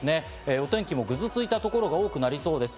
お天気もぐずついたところが多くなりそうです。